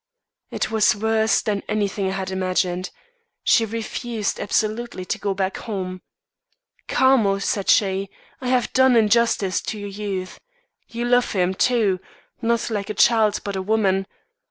"It was worse than anything I had imagined; she refused absolutely to go back home. 'Carmel,' said she, 'I have done injustice to your youth. You love him, too not like a child but a woman.